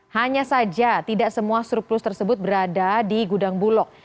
hanya saja tidak semua surplus tersebut berada di gudang bulog